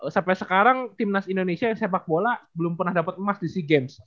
sampai sekarang timnas indonesia yang sepak bola belum pernah dapat emas di sea games